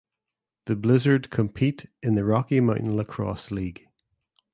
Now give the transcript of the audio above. The Blizzard compete in the Rocky Mountain Lacrosse League.